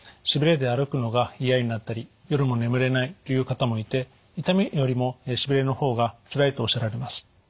しびれで歩くのが嫌になったり夜も眠れないという方もいて痛みよりもしびれの方がつらいとおっしゃられます。